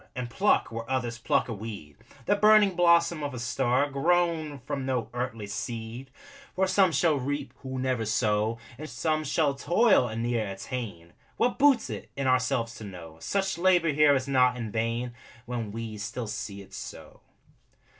And pluck, where others pluck a weed, The burning blossom of a star, Grown from no earthly seed. For some shall reap who never sow; And some shall toil and ne'er attain What boots it, in ourselves to know Such labor here is not in vain, When we still see it so!